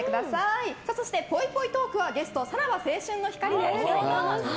そしてぽいぽいトークはゲスト、さらば青春の光です。